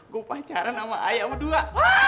gue pacaran sama ayah berdua